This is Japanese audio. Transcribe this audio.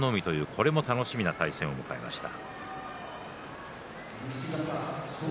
これも楽しみな対戦を迎えました。